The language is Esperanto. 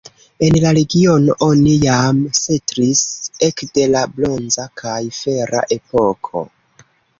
En la regiono oni jam setlis ekde la bronza kaj fera epoko.